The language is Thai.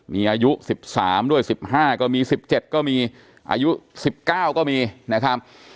มีอายุสิบสามด้วยสิบห้าก็มีสิบเจ็ดก็มีอายุสิบเก้าก็มีนะครับ